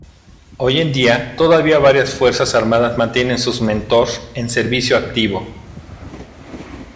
Hoy en día, todavía varias fuerzas armadas mantienen sus "Mentor" en servicio activo.